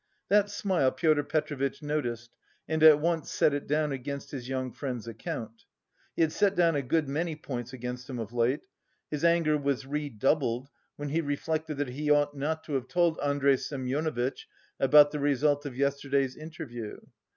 That smile Pyotr Petrovitch noticed, and at once set it down against his young friend's account. He had set down a good many points against him of late. His anger was redoubled when he reflected that he ought not to have told Andrey Semyonovitch about the result of yesterday's interview.